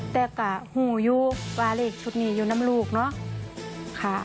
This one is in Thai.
แต่ก็หูอยู่ว่าเลขชุดนี้อยู่น้ำลูกเนาะ